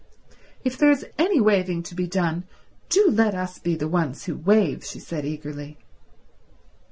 "If there is any waiving to be done, do let us be the ones who waive," she said eagerly.